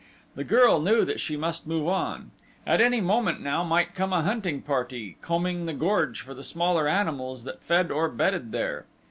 The girl knew that she must move on. At any moment now might come a hunting party, combing the gorge for the smaller animals that fed or bedded there.